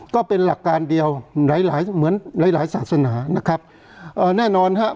ก็เป็นหลักการเดียวหลายหลายเหมือนหลายหลายศาสนานะครับเอ่อแน่นอนฮะ